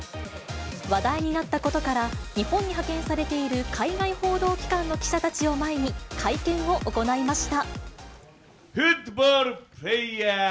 話題になったことから、日本に派遣されている海外報道機関の記者たちを前に、会見を行いました。